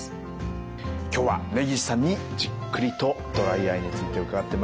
今日は根岸さんにじっくりとドライアイについて伺ってまいりました。